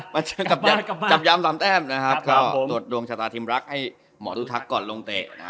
มาเชิญกลับย้ำ๓แต้มตรวจดวงชาตาทีมรักให้หมอทุทักก่อนลงเตะ